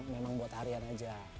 memang buat harian aja